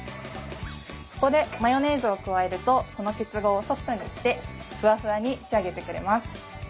そこでマヨネーズを加えるとその結合をソフトにしてフワフワに仕上げてくれます。